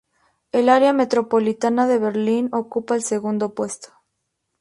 El área metropolitana de Berlín ocupa el segundo puesto.